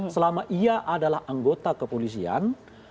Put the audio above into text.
selama ia adalah anggota kepolisian